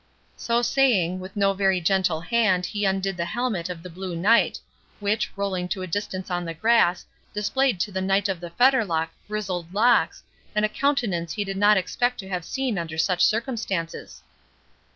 So saying, with no very gentle hand he undid the helmet of the Blue Knight, which, rolling to a distance on the grass, displayed to the Knight of the Fetterlock grizzled locks, and a countenance he did not expect to have seen under such circumstances.